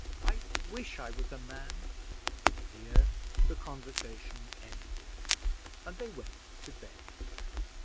"I wish I was a man!" Here the conversation ended, and they went to bed.